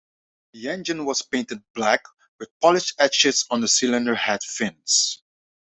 The engine was painted black with polished edges on the cylinder head fins.